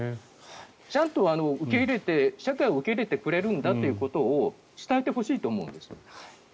ちゃんと社会は受け入れてくれるんだということを伝えてほしいと思うんです。